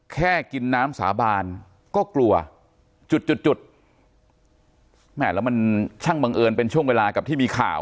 แค่กินน้ำสาบานก็กลัวจุดจุดจุดแม่แล้วมันช่างบังเอิญเป็นช่วงเวลากับที่มีข่าว